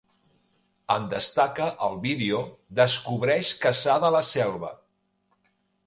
En destaca el vídeo "Descobreix Cassà de la Selva".